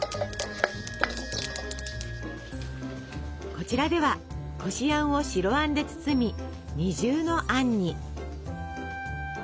こちらではこしあんを白あんで包み二重のあんに。